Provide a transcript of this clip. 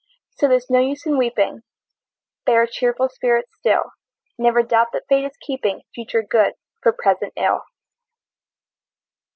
So there's no use in weeping, Bear a cheerful spirit still; Never doubt that Fate is keeping Future good for present ill!